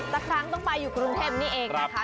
สักครั้งต้องไปอยู่กรุงเทพนี่เองนะคะ